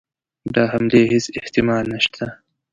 د حملې هیڅ احتمال نسته.